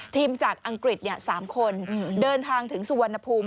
ทีมจากอังกฤษ๓คนเดินทางถึงสุวรรณภูมิ